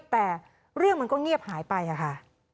แต่เรื่องมันก็เงียบหายไปค่ะ